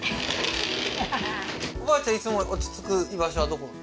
おばっちゃんいつも落ち着く居場所はどこ？